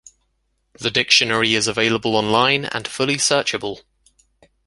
The dictionary is available online and fully searchable.